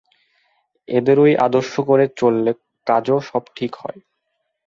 এদেরই আদর্শ করে চললে কাজও সব ঠিক হয়।